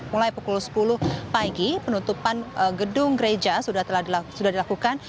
mulai pukul sepuluh pagi penutupan gedung gereja sudah dilakukan